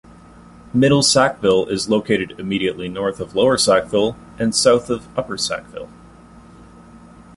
Middle Sackville is located immediately north of Lower Sackville and south of Upper Sackville.